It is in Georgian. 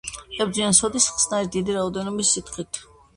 ებრძვიან სოდის ხსნარით, დიდი რაოდენობის სითხით.